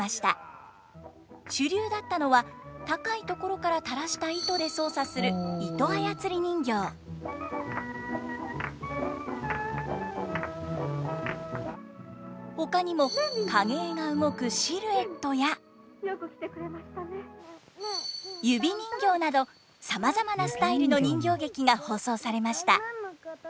主流だったのは高い所から垂らした糸で操作するほかにも影絵が動くシルエットや指人形などさまざまなスタイルの人形劇が放送されました。